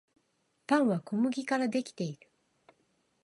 パンは小麦からできている